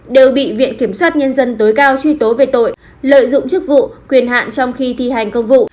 đều bị viện kiểm sát nhân dân tối cao truy tố về tội lợi dụng chức vụ quyền hạn trong khi thi hành công vụ